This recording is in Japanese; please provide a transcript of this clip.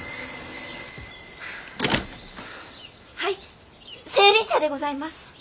はい青凜社でございます。